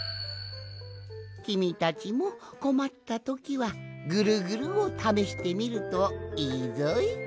きみたちもこまったときはぐるぐるをためしてみるといいぞい。